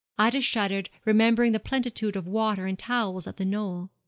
Ida shuddered, remembering the plentitude of water and towels at The Knoll.